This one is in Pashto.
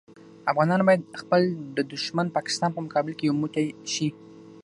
افغانان باید خپل د دوښمن پاکستان په مقابل کې یو موټی شي.